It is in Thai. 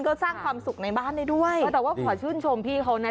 ก็สร้างความสุขในบ้านได้ด้วยแต่ว่าขอชื่นชมพี่เขานะ